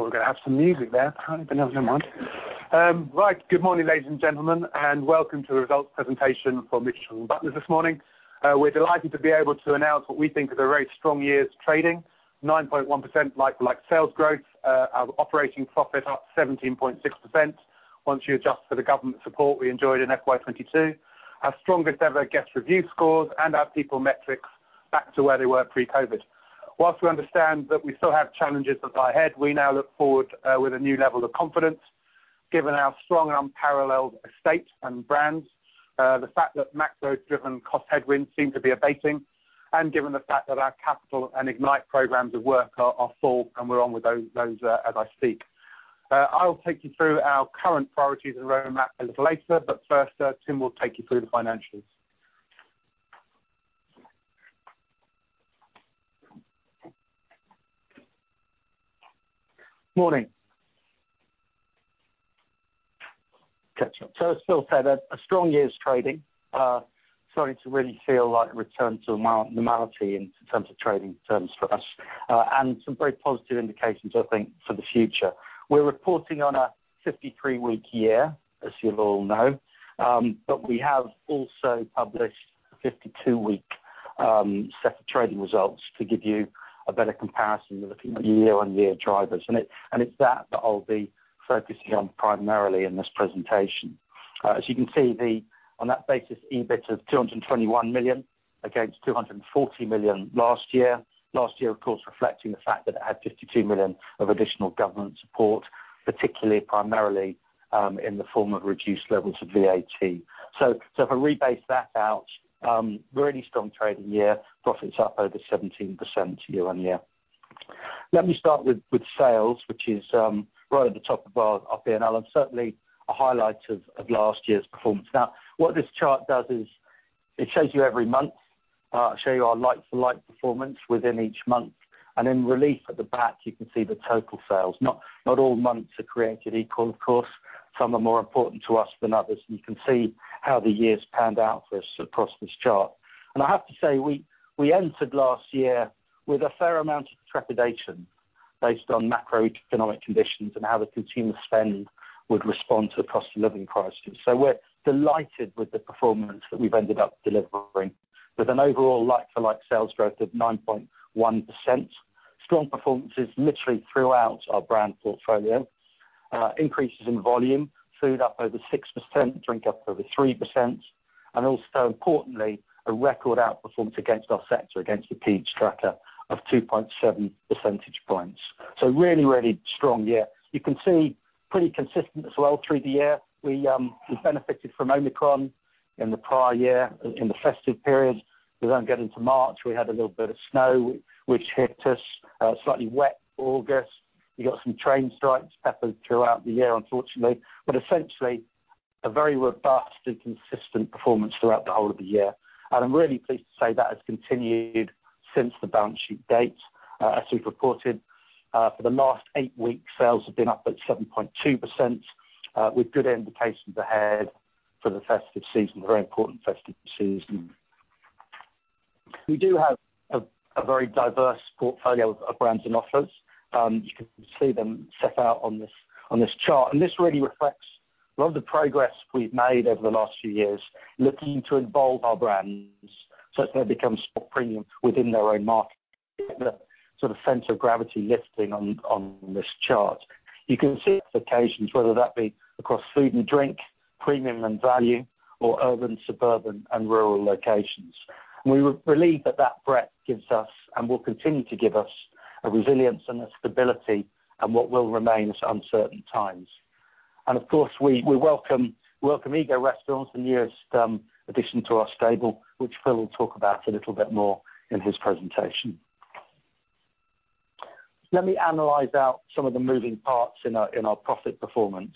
Oh, we're gonna have some music there, apparently, but never mind. Right. Good morning, ladies and gentlemen, and welcome to the results presentation for Mitchells & Butlers this morning. We're delighted to be able to announce what we think is a very strong year's trading, 9.1% Like-for-like sales growth. Our operating profit up 17.6%, once you adjust for the government support we enjoyed in FY 2022. Our strongest ever guest review scores and our people metrics back to where they were pre-COVID. While we understand that we still have challenges that lie ahead, we now look forward with a new level of confidence, given our strong and unparalleled estate and brands, the fact that macro-driven cost headwinds seem to be abating, and given the fact that our Capital and Ignite programs of work are full, and we're on with those, as I speak. I'll take you through our current priorities and roadmap a little later, but first, Tim will take you through the financials. Morning! Catch up. So as Phil said, a strong year's trading. Starting to really feel like a return to normality in terms of trading terms for us, and some very positive indications, I think, for the future. We're reporting on a 53-week year, as you'll all know, but we have also published a 52-week set of trading results to give you a better comparison of the year-on-year drivers. And it's that that I'll be focusing on primarily in this presentation. As you can see, on that basis, EBIT of 221 million, against 240 million last year. Last year, of course, reflecting the fact that it had 52 million of additional government support, particularly primarily, in the form of reduced levels of VAT. So, so if I rebase that out, really strong trading year, profits up over 17% year-on-year. Let me start with, with sales, which is, right at the top of our P&L, and certainly a highlight of, of last year's performance. Now, what this chart does is, it shows you every month, I'll show you our like-for-like performance within each month, and then right at the back, you can see the total sales. Not, not all months are created equal, of course. Some are more important to us than others. You can see how the years panned out for us across this chart. And I have to say, we, we entered last year with a fair amount of trepidation based on macroeconomic conditions and how the consumer spend would respond to the cost of living crisis. So we're delighted with the performance that we've ended up delivering, with an overall like-for-like sales growth of 9.1%. Strong performances literally throughout our brand portfolio. Increases in volume, food up over 6%, drink up over 3%, and also, importantly, a record outperformance against our sector, against the Peach Tracker of 2.7 percentage points. So really, really strong year. You can see pretty consistent as well through the year. We, we benefited from Omicron in the prior year, in the festive period. We then get into March, we had a little bit of snow, which hit us, slightly wet August. We got some train strikes peppered throughout the year, unfortunately, but essentially a very robust and consistent performance throughout the whole of the year. And I'm really pleased to say that has continued since the balance sheet date. As we've reported, for the last eight weeks, sales have been up at 7.2%, with good indications ahead for the festive season, a very important festive season. We do have a very diverse portfolio of brands and offers. You can see them set out on this chart, and this really reflects a lot of the progress we've made over the last few years, looking to evolve our brands, so as they become more premium within their own market, the sort of center of gravity lifting on this chart. You can see occasions, whether that be across food and drink, premium and value, or urban, suburban, and rural locations. We believe that that breadth gives us, and will continue to give us, a resilience and a stability in what will remain uncertain times. Of course, we welcome Ego Restaurants, the newest addition to our stable, which Phil will talk about a little bit more in his presentation. Let me analyze out some of the moving parts in our profit performance.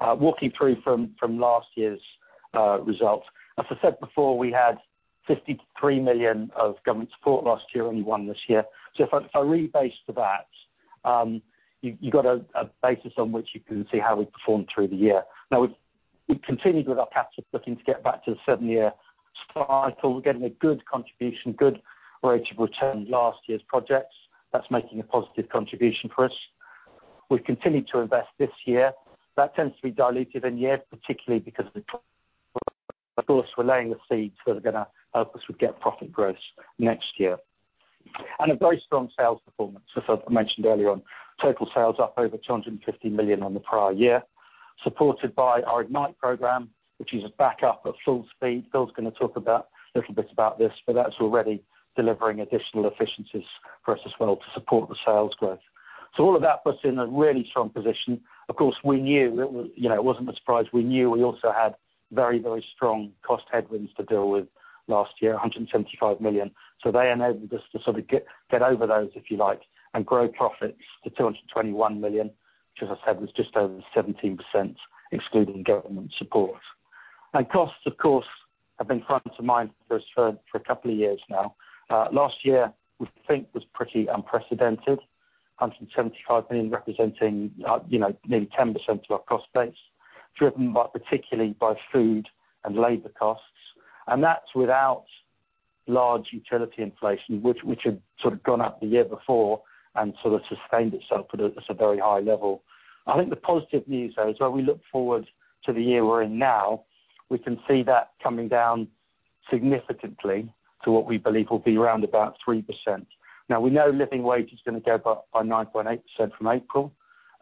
Walking through from last year's results. As I said before, we had 53 million of government support last year, only 1 million this year. So if I rebase to that, you got a basis on which you can see how we performed through the year. Now, we've continued with our capital, looking to get back to the seven-year cycle. We're getting a good contribution, good rate of return on last year's projects. That's making a positive contribution for us. We've continued to invest this year. That tends to be dilutive in the year, particularly because of the... Of course, we're laying the seeds that are gonna help us with get profit growth next year. And a very strong sales performance, as I, I mentioned earlier on. Total sales up over 250 million on the prior year, supported by our Ignite program, which is back up at full speed. Phil's gonna talk about, a little bit about this, but that's already delivering additional efficiencies for us as well to support the sales growth. So all of that puts us in a really strong position. Of course, we knew, it was, you know, it wasn't a surprise. We knew we also had very, very strong cost headwinds to deal with last year, 175 million. So they enabled us to sort of get over those, if you like, and grow profits to 221 million, which, as I said, was just over 17%, excluding government support. Costs, of course, have been front of mind for us for a couple of years now. Last year, we think was pretty unprecedented. 175 million, representing, you know, nearly 10% of our cost base, driven by, particularly by food and labor costs, and that's without large utility inflation, which had sort of gone up the year before and sort of sustained itself at a very high level. I think the positive news, though, is while we look forward to the year we're in now, we can see that coming down significantly to what we believe will be around about 3%. Now, we know living wage is gonna go up by 9.8% from April.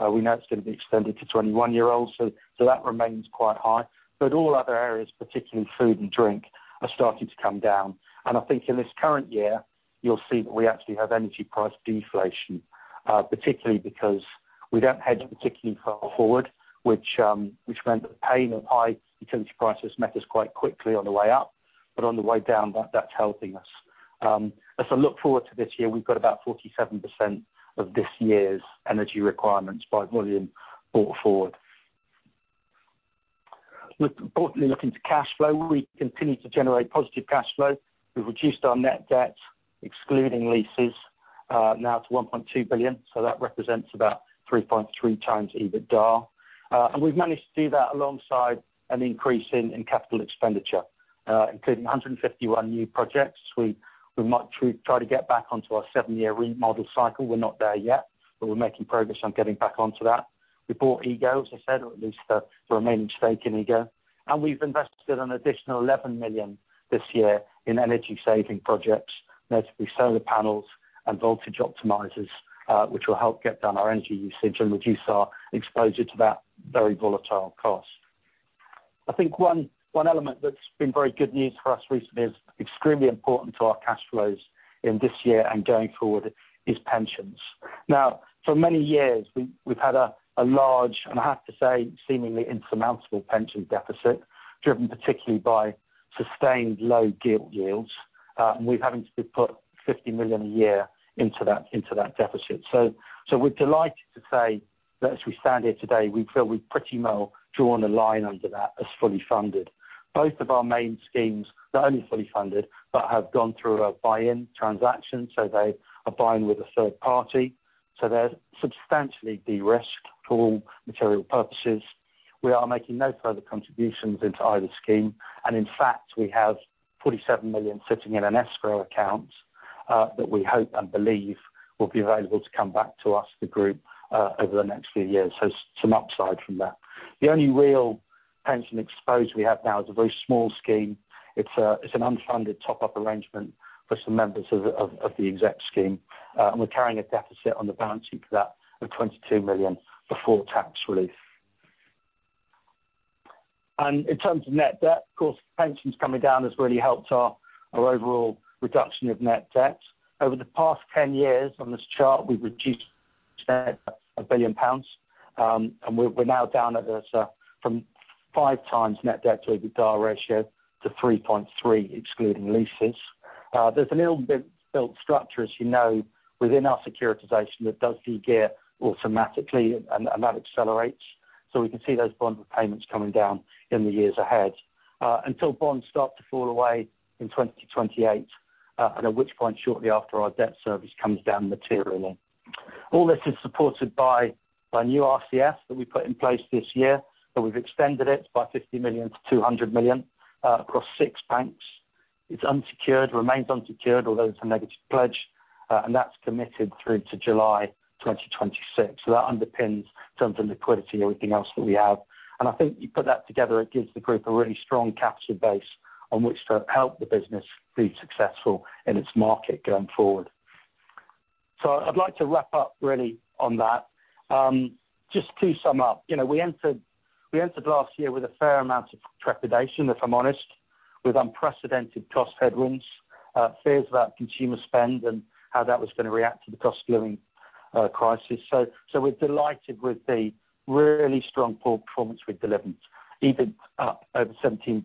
We know it's gonna be extended to 21-year-olds, so, so that remains quite high. But all other areas, particularly food and drink, are starting to come down. And I think in this current year, you'll see that we actually have energy price deflation, particularly because we don't hedge particularly far forward, which, which meant that the pain of high utility prices met us quite quickly on the way up, but on the way down, that, that's helping us. As I look forward to this year, we've got about 47% of this year's energy requirements by volume brought forward. With importantly, looking to cash flow, we continue to generate positive cash flow. We've reduced our net debt, excluding leases, now to 1.2 billion, so that represents about 3.3x EBITDA. And we've managed to do that alongside an increase in capital expenditure, including 151 new projects. We might try to get back onto our seven-year remodel cycle. We're not there yet, but we're making progress on getting back onto that. We bought Ego, as I said, or at least a remaining stake in Ego, and we've invested an additional 11 million this year in energy saving projects, notably solar panels and voltage optimizers, which will help get down our energy usage and reduce our exposure to that very volatile cost. I think one element that's been very good news for us recently is extremely important to our cash flows in this year and going forward is pensions. Now, for many years, we've had a large, and I have to say, seemingly insurmountable pension deficit, driven particularly by sustained low gilt yields. And we've having to put 50 million a year into that, into that deficit. So, we're delighted to say that as we stand here today, we feel we've pretty well drawn a line under that as fully funded. Both of our main schemes, not only fully funded, but have gone through a buy-in transaction, so they are buying with a third party, so they're substantially de-risked for all material purposes. We are making no further contributions into either scheme, and in fact, we have 47 million sitting in an escrow account, that we hope and believe will be available to come back to us, the group, over the next few years. So some upside from that. The only real pension exposure we have now is a very small scheme. It's an unfunded top-up arrangement for some members of the exec scheme, and we're carrying a deficit on the balance sheet for that of 22 million before tax relief. In terms of net debt, of course, pensions coming down has really helped our overall reduction of net debt. Over the past 10 years on this chart, we've reduced 1 billion pounds, and we're now down at this from 5x net debt to EBITDA ratio to 3.3, excluding leases. There's a little bit built structure, as you know, within our securitization that does de-gear automatically and that accelerates. So we can see those bond repayments coming down in the years ahead, until bonds start to fall away in 2028, at which point, shortly after our debt service comes down materially. All this is supported by, by new RCF that we put in place this year, but we've extended it by 50 million-200 million, across six banks. It's unsecured, remains unsecured, although it's a negative pledge, and that's committed through to July 2026. So that underpins terms of liquidity, everything else that we have. And I think you put that together, it gives the group a really strong capture base on which to help the business be successful in its market going forward. So I'd like to wrap up really on that. Just to sum up, you know, we entered last year with a fair amount of trepidation, if I'm honest, with unprecedented cost headwinds, fears about consumer spend and how that was gonna react to the cost of living crisis. So we're delighted with the really strong performance we've delivered, even up over 17%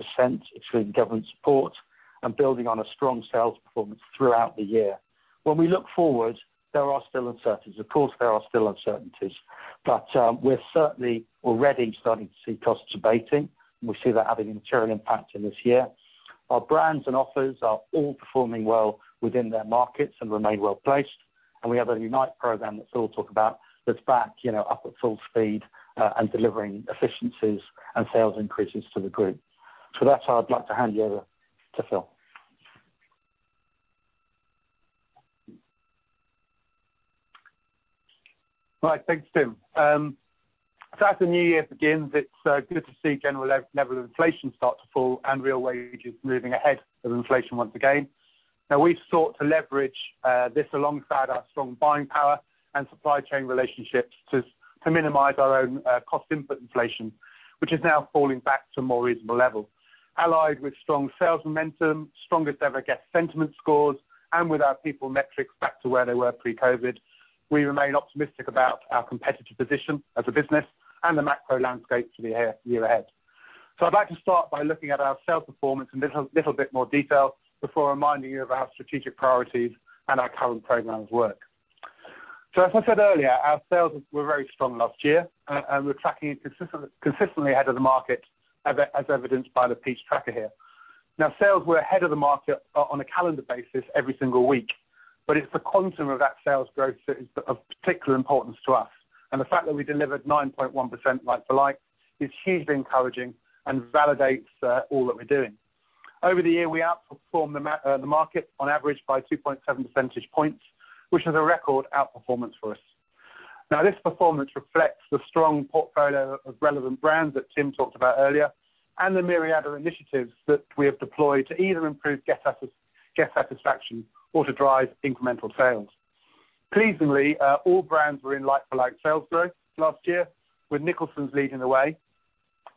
excluding government support and building on a strong sales performance throughout the year. When we look forward, there are still uncertainties. Of course, there are still uncertainties, but we're certainly already starting to see costs abating, and we see that having a material impact in this year. Our brands and offers are all performing well within their markets and remain well-placed, and we have a Unite program that Phil will talk about, that's back, you know, up at full speed, and delivering efficiencies and sales increases to the group. So with that, I'd like to hand you over to Phil. Right. Thanks, Tim. As the new year begins, it's good to see general level of inflation start to fall and real wages moving ahead of inflation once again. Now, we've sought to leverage this alongside our strong buying power and supply chain relationships to minimize our own cost input inflation, which is now falling back to more reasonable levels. Allied with strong sales momentum, strongest ever guest sentiment scores, and with our people metrics back to where they were pre-COVID, we remain optimistic about our competitive position as a business and the macro landscape for the year ahead. So I'd like to start by looking at our sales performance in a little bit more detail before reminding you of our strategic priorities and our current programs work. So as I said earlier, our sales were very strong last year, and we're tracking consistently ahead of the market, as evidenced by the Peach Tracker here. Now, sales were ahead of the market on a calendar basis every single week. But it's the quantum of that sales growth that is of particular importance to us, and the fact that we delivered 9.1% like-for-like is hugely encouraging and validates all that we're doing. Over the year, we outperformed the market on average by 2.7 percentage points, which is a record outperformance for us. Now, this performance reflects the strong portfolio of relevant brands that Tim talked about earlier, and the myriad of initiatives that we have deployed to either improve guest satisfaction or to drive incremental sales. Pleasingly, all brands were in like-for-like sales growth last year, with Nicholson's leading the way,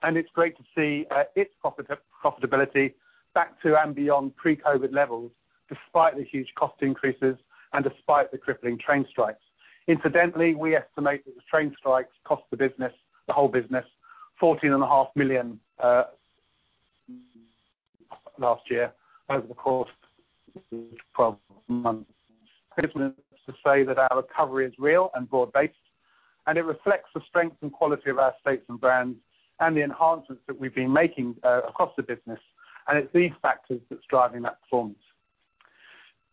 and it's great to see its profitability back to and beyond pre-COVID levels, despite the huge cost increases and despite the crippling train strikes. Incidentally, we estimate that the train strikes cost the business, the whole business, 14.5 million last year over the course of twelve months. To say that our recovery is real and broad-based, and it reflects the strength and quality of our estates and brands, and the enhancements that we've been making across the business, and it's these factors that's driving that performance.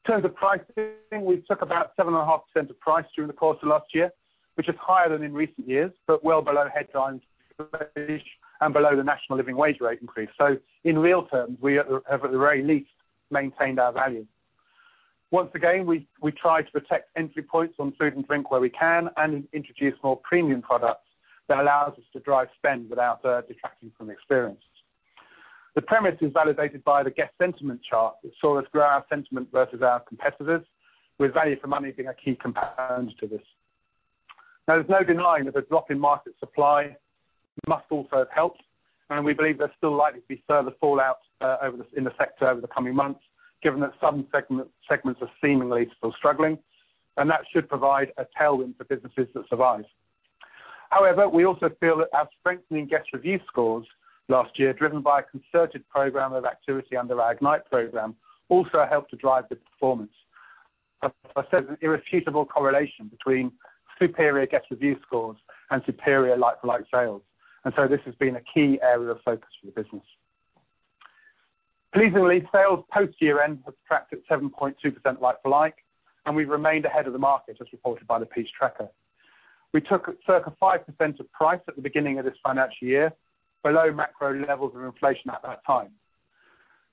In terms of pricing, we took about 7.5% of price during the course of last year, which is higher than in recent years, but well below headlines, and below the National Living Wage rate increase. So in real terms, we have at the very least maintained our value. Once again, we tried to protect entry points on food and drink where we can and introduce more premium products that allows us to drive spend without detracting from the experience. The premise is validated by the guest sentiment chart, which saw us grow our sentiment versus our competitors, with value for money being a key component to this. Now, there's no denying that the drop in market supply must also have helped, and we believe there's still likely to be further fallout in the sector over the coming months, given that some segments are seemingly still struggling, and that should provide a tailwind for businesses that survive. However, we also feel that our strengthening guest review scores last year, driven by a concerted program of activity under our Ignite program, also helped to drive the performance. There's an irrefutable correlation between superior guest review scores and superior like-for-like sales, and so this has been a key area of focus for the business. Pleasingly, sales post-year end have tracked at 7.2% like for like, and we've remained ahead of the market, as reported by the Peach Tracker. We took circa 5% of price at the beginning of this financial year, below macro levels of inflation at that time.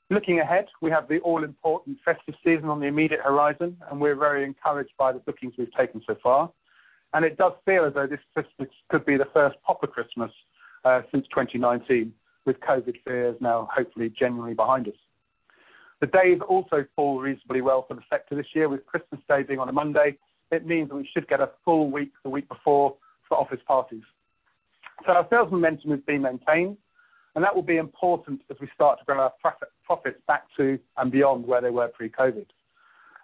Looking ahead, we have the all-important festive season on the immediate horizon, and we're very encouraged by the bookings we've taken so far, and it does feel as though this festive could be the first proper Christmas since 2019, with COVID fears now hopefully genuinely behind us. The days also fall reasonably well for the sector this year, with Christmas Day being on a Monday. It means we should get a full week, the week before, for office parties. So our sales momentum has been maintained, and that will be important as we start to grow our profits back to and beyond where they were pre-COVID.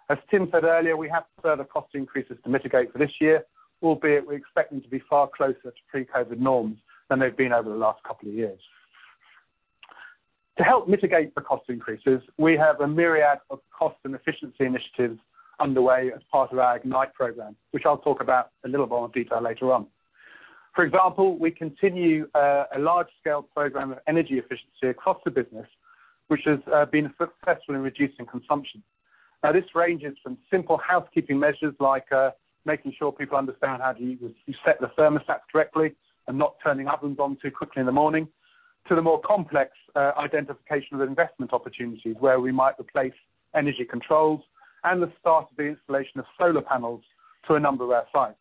As Tim said earlier, we have further cost increases to mitigate for this year, albeit we expect them to be far closer to pre-COVID norms than they've been over the last couple of years. To help mitigate the cost increases, we have a myriad of cost and efficiency initiatives underway as part of our Ignite program, which I'll talk about in a little more detail later on. For example, we continue a large-scale program of energy efficiency across the business, which has been successful in reducing consumption. Now, this ranges from simple housekeeping measures, like making sure people understand how to use, set the thermostat correctly and not turning ovens on too quickly in the morning, to the more complex identification of investment opportunities where we might replace energy controls and the start of the installation of solar panels to a number of our sites.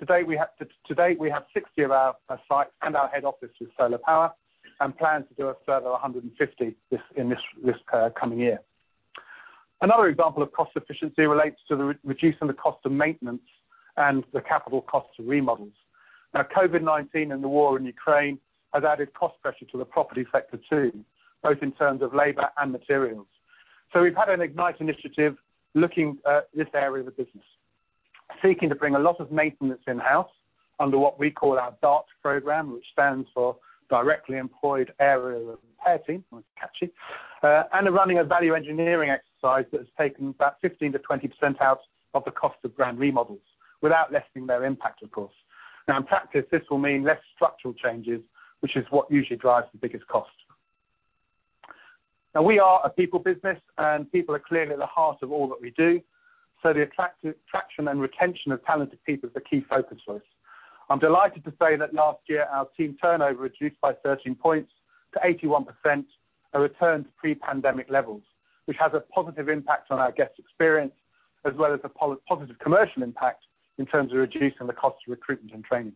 To date, we have 60 of our sites and our head office with solar power and plan to do a further 150 in this coming year. Another example of cost efficiency relates to reducing the cost of maintenance and the capital costs of remodels. Now, COVID-19 and the war in Ukraine has added cost pressure to the property sector too, both in terms of labor and materials. So we've had an Ignite initiative looking at this area of the business, seeking to bring a lot of maintenance in-house under what we call our DART program, which stands for Directly Employed Area Repair Team, quite catchy, and the running of value engineering exercise that has taken about 15%-20% out of the cost of brand remodels without lessening their impact, of course. Now, in practice, this will mean less structural changes, which is what usually drives the biggest cost. Now, we are a people business, and people are clearly at the heart of all that we do, so the attraction and retention of talented people is a key focus for us. I'm delighted to say that last year, our team turnover reduced by 13 points to 81%, a return to pre-pandemic levels, which has a positive impact on our guest experience, as well as a positive commercial impact in terms of reducing the cost of recruitment and training.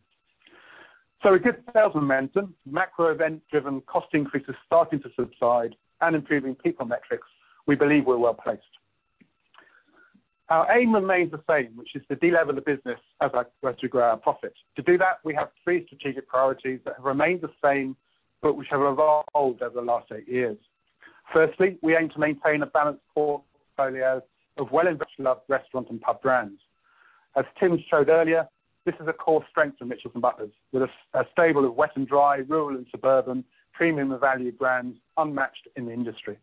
So a good sales momentum, macro event-driven cost increases starting to subside and improving people metrics, we believe we're well placed. Our aim remains the same, which is to de-lever the business as we grow our profit. To do that, we have three strategic priorities that have remained the same, but which have evolved over the last eight years. Firstly, we aim to maintain a balanced core portfolio of well-invested loved restaurants and pub brands. As Tim showed earlier, this is a core strength of Mitchells & Butlers, with a stable of wet and dry, rural and suburban, premium evaluated brands unmatched in the industry.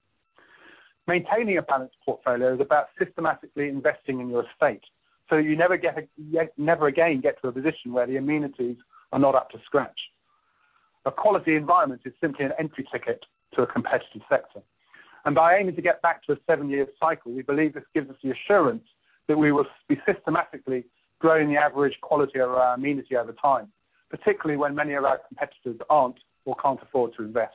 Maintaining a balanced portfolio is about systematically investing in your estate, so you never get yet, never again get to a position where the amenities are not up to scratch. A quality environment is simply an entry ticket to a competitive sector. And by aiming to get back to a seven-year cycle, we believe this gives us the assurance that we will be systematically growing the average quality of our amenity over time, particularly when many of our competitors aren't or can't afford to invest.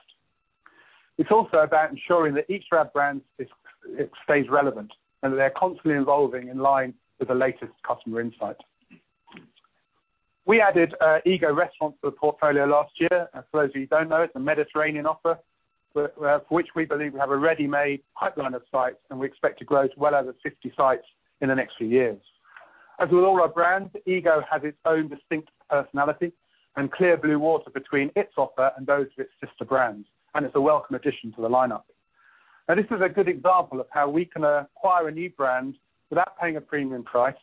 It's also about ensuring that each of our brands is, it stays relevant, and that they're constantly evolving in line with the latest customer insights. We added, Ego restaurant to the portfolio last year. And for those of you who don't know, it's a Mediterranean offer, but, for which we believe we have a ready-made pipeline of sites, and we expect to grow to well over 50 sites in the next few years. As with all our brands, Ego has its own distinct personality and clear blue water between its offer and those of its sister brands, and it's a welcome addition to the lineup. Now, this is a good example of how we can acquire a new brand without paying a premium price,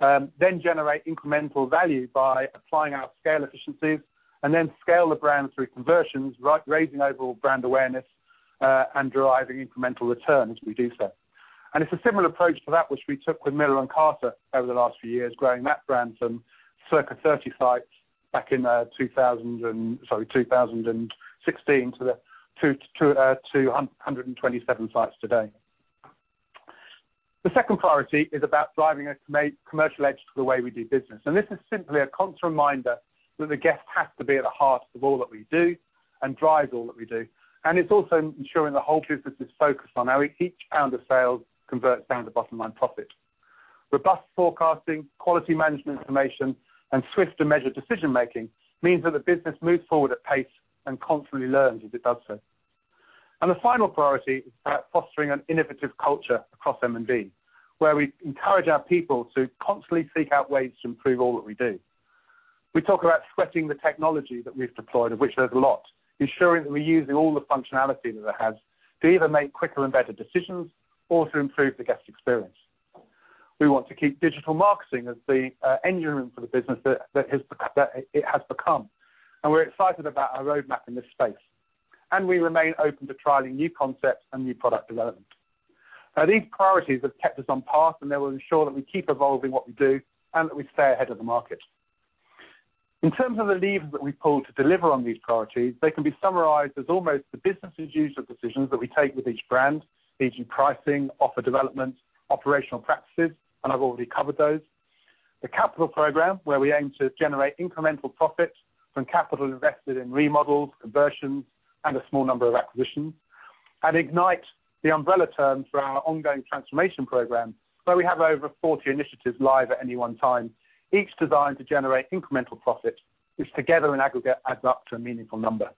then generate incremental value by applying our scale efficiencies, and then scale the brand through conversions, right, raising overall brand awareness, and deriving incremental return as we do so. And it's a similar approach to that which we took with Miller & Carter over the last few years, growing that brand from circa 30 sites back in 2016, to 227 sites today. The second priority is about driving a commercial edge to the way we do business, and this is simply a constant reminder that the guest has to be at the heart of all that we do and drives all that we do, and it's also ensuring the whole business is focused on how each pound of sales converts down to bottom line profit. Robust forecasting, quality management information, and swift and measured decision making means that the business moves forward at pace and constantly learns as it does so. The final priority is about fostering an innovative culture across M&B, where we encourage our people to constantly seek out ways to improve all that we do. We talk about sweating the technology that we've deployed, of which there's a lot, ensuring that we're using all the functionality that it has to either make quicker and better decisions or to improve the guest experience. We want to keep digital marketing as the engine room for the business that it has become, and we're excited about our roadmap in this space, and we remain open to trialing new concepts and new product development. Now, these priorities have kept us on path, and they will ensure that we keep evolving what we do and that we stay ahead of the market. In terms of the levers that we pull to deliver on these priorities, they can be summarized as almost the business as usual decisions that we take with each brand, e.g., pricing, offer development, operational practices, and I've already covered those. The Capital program, where we aim to generate incremental profits from capital invested in remodels, conversions, and a small number of acquisitions. And Ignite, the umbrella term for our ongoing transformation program, where we have over 40 initiatives live at any one time, each designed to generate incremental profit, which together in aggregate adds up to a meaningful number.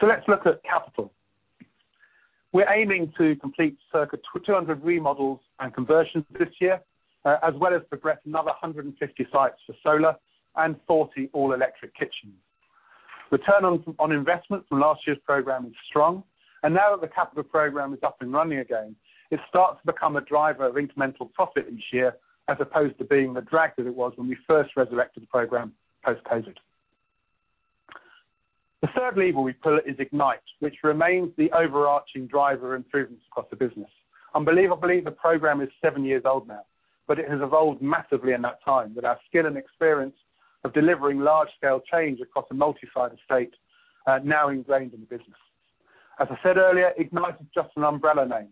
So let's look at Capital. We're aiming to complete circa 200 remodels and conversions this year, as well as progress another 150 sites for solar and 40 all-electric kitchens. Return on investment from last year's program is strong, and now that the Capital program is up and running again, it starts to become a driver of incremental profit each year, as opposed to being the drag that it was when we first resurrected the program post-COVID. The third lever we pull is Ignite, which remains the overarching driver of improvements across the business. Unbelievably, the program is seven years old now, but it has evolved massively in that time, with our skill and experience of delivering large-scale change across a multi-site estate, now ingrained in the business. As I said earlier, Ignite is just an umbrella name,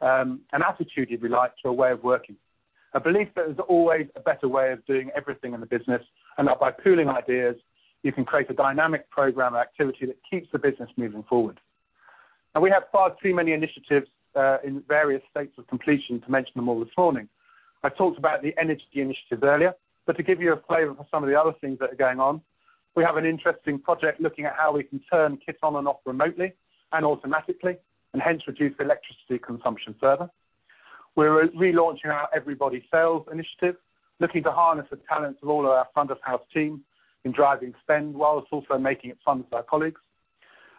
an attitude, if you like, to a way of working. A belief that there's always a better way of doing everything in the business, and that by pooling ideas, you can create a dynamic program activity that keeps the business moving forward. And we have far too many initiatives, in various states of completion to mention them all this morning. I talked about the energy initiatives earlier, but to give you a flavor for some of the other things that are going on, we have an interesting project looking at how we can turn kits on and off remotely and automatically, and hence reduce electricity consumption further. We're re-launching our Everybody Sells initiative, looking to harness the talents of all of our front-of-house team in driving spend while also making it fun for our colleagues.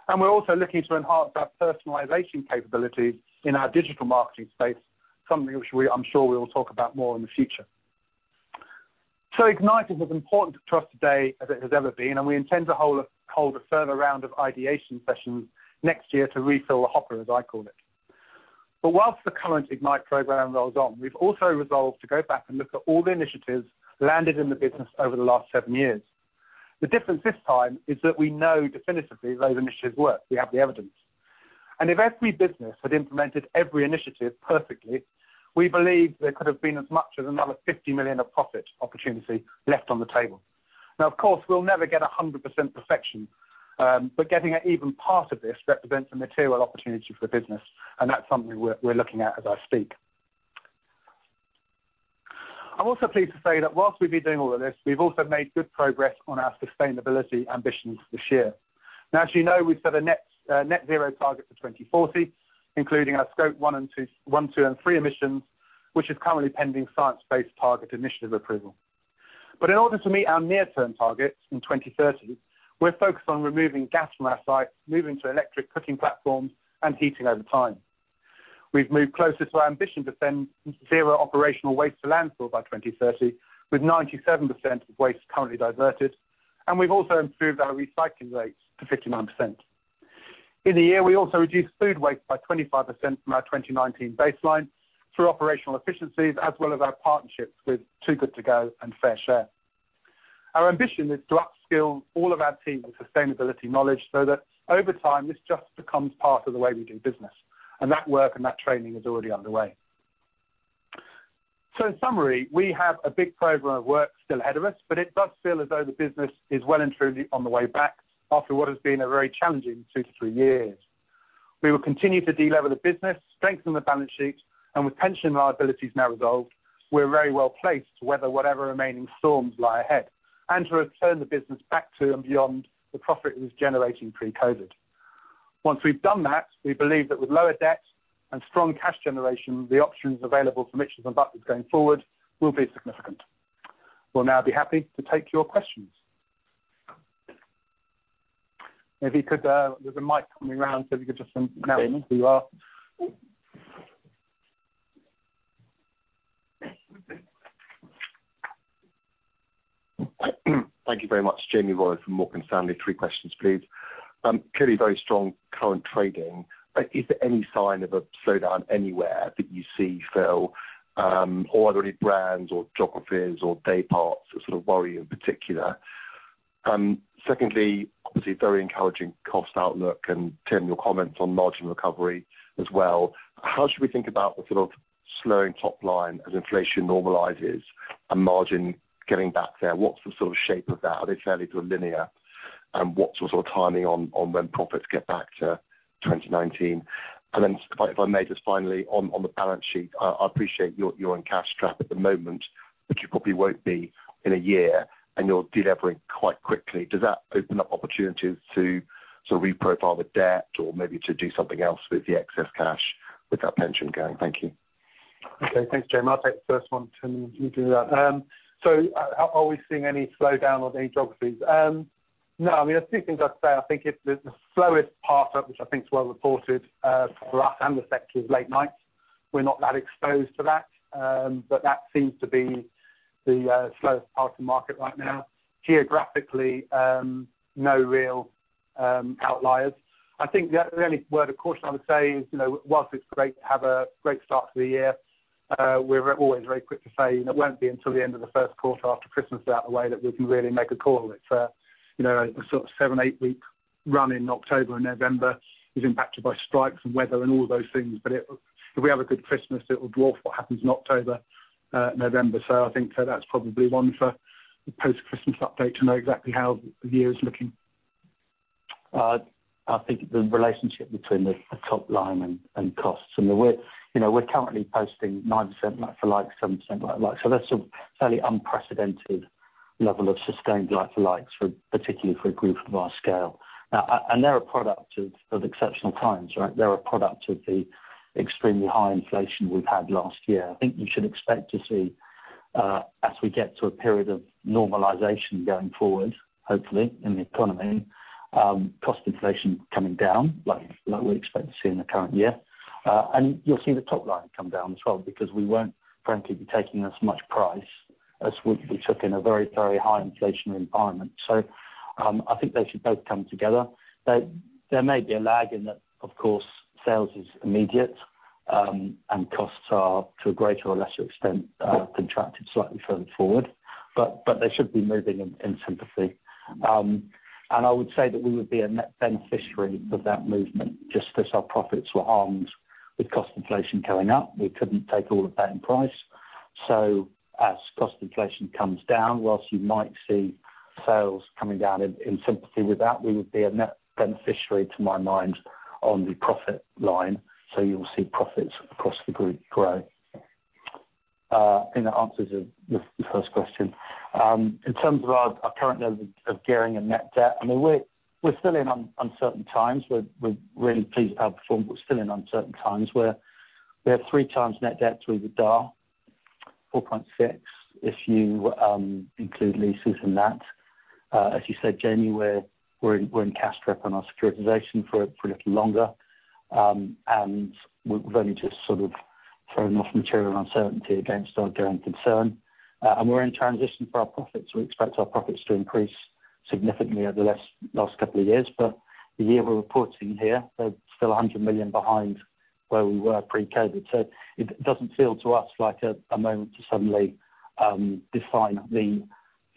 We're also looking to enhance our personalization capabilities in our digital marketing space, something which we, I'm sure we will talk about more in the future. So Ignite is as important to us today as it has ever been, and we intend to hold a further round of ideation sessions next year to refill the hopper, as I call it. But while the current Ignite program rolls on, we've also resolved to go back and look at all the initiatives landed in the business over the last seven years. The difference this time is that we know definitively those initiatives work. We have the evidence. And if every business had implemented every initiative perfectly, we believe there could have been as much as another 50 million of profit opportunity left on the table. Now, of course, we'll never get 100% perfection, but getting an even part of this represents a material opportunity for the business, and that's something we're looking at as I speak. I'm also pleased to say that while we've been doing all of this, we've also made good progress on our sustainability ambitions this year. Now, as you know, we've set a net net zero target for 2040, including our Scope 1 and 2, 1, 2, and 3 emissions, which is currently pending Science Based Targets initiative approval. But in order to meet our near-term targets in 2030, we're focused on removing gas from our sites, moving to electric cooking platforms and heating over time. We've moved closer to our ambition to send zero operational waste to landfill by 2030, with 97% of waste currently diverted, and we've also improved our recycling rates to 59%.... In the year, we also reduced food waste by 25% from our 2019 baseline through operational efficiencies, as well as our partnerships with Too Good To Go and FareShare. Our ambition is to upskill all of our team with sustainability knowledge, so that over time, this just becomes part of the way we do business, and that work and that training is already underway. So in summary, we have a big program of work still ahead of us, but it does feel as though the business is well and truly on the way back after what has been a very challenging two to three years. We will continue to delever the business, strengthen the balance sheet, and with pension liabilities now resolved, we're very well placed to weather whatever remaining storms lie ahead, and to return the business back to and beyond the profit it was generating pre-COVID. Once we've done that, we believe that with lower debt and strong cash generation, the options available for Mitchells & Butlers going forward will be significant. We'll now be happy to take your questions. If you could, there's a mic coming around, so if you could just announce who you are. Thank you very much. Jamie Rollo from Morgan Stanley. Three questions, please. Clearly very strong current trading, but is there any sign of a slowdown anywhere that you see, Phil, or are there any brands or geographies or day parts that sort of worry you in particular? Secondly, obviously, very encouraging cost outlook and Tim, your comments on margin recovery as well. How should we think about the sort of slowing top line as inflation normalizes and margin getting back there? What's the sort of shape of that? Are they fairly linear, and what's the sort of timing on when profits get back to 2019? And then if I may, just finally, on the balance sheet, I appreciate you're in cash trap at the moment, but you probably won't be in a year and you're delevering quite quickly. Does that open up opportunities to sort of reprofile the debt or maybe to do something else with the excess cash with that pension going? Thank you. Okay. Thanks, Jamie. I'll take the first one, Tim you do that. So are we seeing any slowdown on any geographies? No, I mean, there's two things I'd say. I think it's the slowest part, which I think is well reported, for us and the sector is late nights. We're not that exposed to that, but that seems to be the slowest part of the market right now. Geographically, no real outliers. I think the only word of caution I would say is, you know, whilst it's great to have a great start to the year, we're always very quick to say it won't be until the end of the first quarter after Christmas is out the way that we can really make a call on it. So you know, a sort of seven to eight-week run in October and November is impacted by strikes and weather and all those things, but it, if we have a good Christmas, it will dwarf what happens in October, November. So I think that's probably one for the post-Christmas update to know exactly how the year is looking. I think the relationship between the top line and costs, and we're, you know, we're currently posting 9% like-for-likes, 7% like-for-likes. So that's a fairly unprecedented level of sustained like-for-likes, particularly for a group of our scale. And they're a product of exceptional times, right? They're a product of the extremely high inflation we've had last year. I think you should expect to see, as we get to a period of normalization going forward, hopefully, in the economy, cost inflation coming down, like we expect to see in the current year. And you'll see the top line come down as well, because we won't frankly be taking as much price as we took in a very, very high inflationary environment. So, I think they should both come together. There may be a lag in that, of course, sales is immediate, and costs are, to a greater or lesser extent, contracted slightly further forward, but, but they should be moving in, in sympathy. And I would say that we would be a net beneficiary of that movement, just as our profits were harmed with cost inflation going up. We couldn't take all of that in price. So as cost inflation comes down, whilst you might see sales coming down in, in sympathy with that, we would be a net beneficiary, to my mind, on the profit line. So you'll see profits across the group grow. I think that answers the, the first question. In terms of our, our current level of gearing and net debt, I mean, we're, we're still in uncertain times. We're really pleased with our performance, but still in uncertain times, where we have 3x net debt to EBITDA, 4.6, if you include leases in that. As you said, Jamie, we're in cash trap on our securitization for a little longer. And we've only just sort of thrown off material uncertainty against our gearing concern. And we're in transition for our profits. We expect our profits to increase significantly over the last couple of years, but the year we're reporting here, they're still 100 million behind where we were pre-COVID. So it doesn't feel to us like a moment to suddenly define the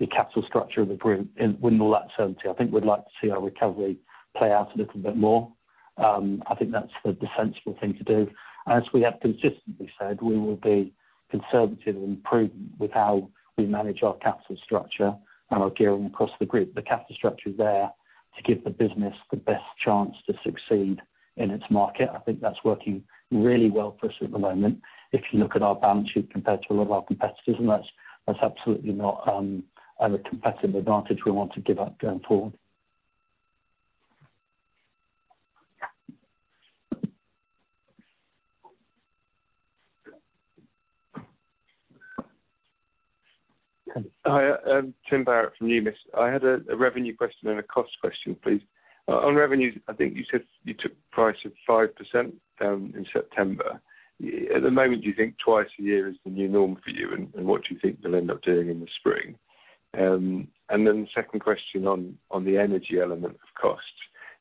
capital structure of the group in with all that certainty. I think we'd like to see our recovery play out a little bit more. I think that's the sensible thing to do. As we have consistently said, we will be conservative and prudent with how we manage our capital structure and our gearing across the group. The capital structure is there to give the business the best chance to succeed in its market. I think that's working really well for us at the moment. If you look at our balance sheet compared to a lot of our competitors, and that's absolutely not a competitive advantage we want to give up going forward. Hi, I'm Tim Barrett from Numis. I had a revenue question and a cost question, please. On revenues, I think you said you took price of 5% down in September. At the moment, do you think twice a year is the new norm for you, and what do you think they'll end up doing in the spring? And then second question on the energy element of cost.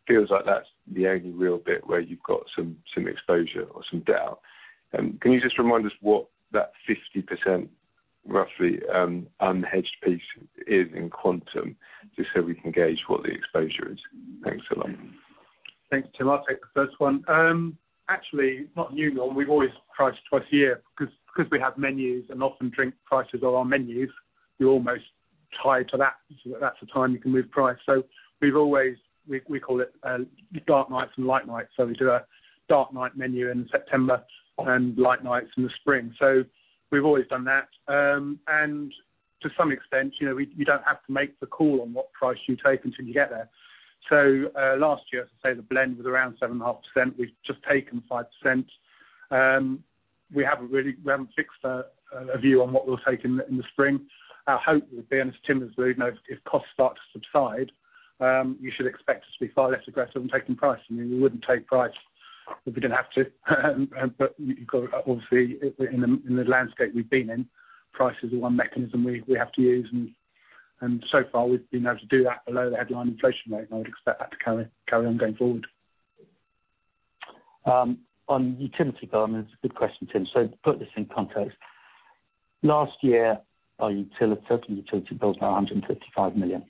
Feels like that's the only real bit where you've got some exposure or some doubt. Can you just remind us what that 50% roughly unhedged piece is in quantum, just so we can gauge what the exposure is? Thanks a lot. Thanks, Tim. I'll take the first one. Actually, not new, Norm, we've always priced twice a year, 'cause we have menus, and often drink prices are on menus, we're almost tied to that. So that's the time you can move price. So we've always, we call it dark nights and light nights. So we do a dark night menu in September and light nights in the spring. So we've always done that. And to some extent, you know, we don't have to make the call on what price you take until you get there. So last year, as I say, the blend was around 7.5%. We've just taken 5%. We haven't really, we haven't fixed a view on what we'll take in the spring. Our hope would be, and as Tim has read, you know, if costs start to subside, you should expect us to be far less aggressive in taking price. I mean, we wouldn't take price if we didn't have to. But you've got, obviously, in the landscape we've been in, price is the one mechanism we have to use, and so far we've been able to do that below the headline inflation rate, and I would expect that to carry on going forward. On utility bill, it's a good question, Tim. So to put this in context, last year, our utility bills were 155 million.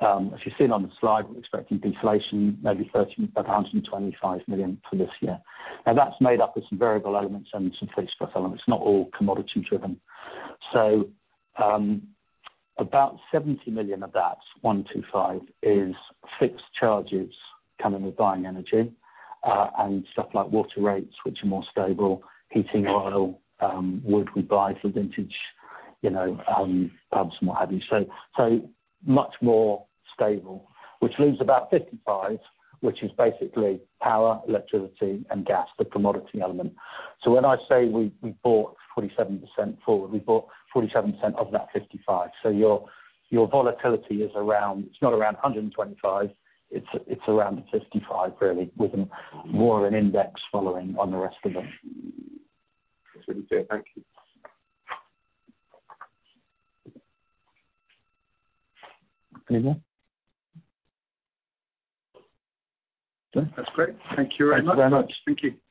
As you've seen on the slide, we're expecting deflation, maybe 13, 125 million for this year. Now that's made up of some variable elements and some fixed elements, it's not all commodity driven. So, about 70 million of that 125 is fixed charges coming with buying energy, and stuff like water rates, which are more stable, heating oil, wood we buy for Vintage, you know, pubs and what have you. So much more stable, which leaves about 55, which is basically power, electricity, and gas, the commodity element. So when I say we bought 47% forward, we bought 47% of that 55. Your volatility is around. It's not around 125. It's around the 55, really, with more of an index following on the rest of them. That's really clear. Thank you. Anyone? Okay. That's great. Thank you very much. Thanks very much. Thank you.